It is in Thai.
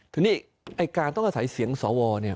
ทีนี้ไอ้การต้องอาศัยเสียงสวเนี่ย